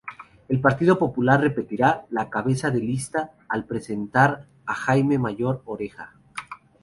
El Partido Popular repetirá cabeza de lista, al presentar a Jaime Mayor Oreja.